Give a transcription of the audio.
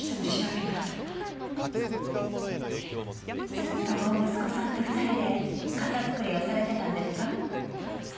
ずっと息子さんと２人で傘作りをされてたんですか？